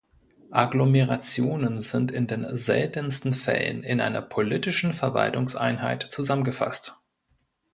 Agglomerationen sind in den seltensten Fällen in einer politischen Verwaltungseinheit zusammengefasst.